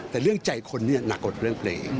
แต่เรื่องใจคนนี้หนักกว่าเรื่องเพลง